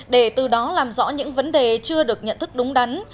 để từ đó làm rõ những vấn đề chưa được nhận thức đúng đắn